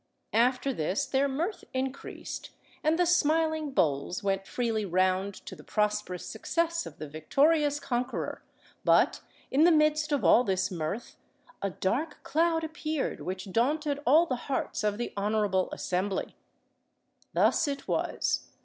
After this their mirth increased, and the smiling bowls went freely round to the prosperous success of the victorious conqueror, but, in the midst of all this mirth, a dark cloud appeared which daunted all the hearts of the honourable assembly. Thus it was.